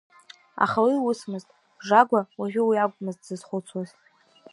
Аха уи усмызт, Жагәа уажәы уи акәмызт дзызхәыцуаз…